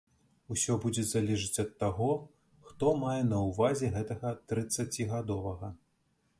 Усё будзе залежыць ад таго, хто мае на ўвазе гэтага трыццацігадовага.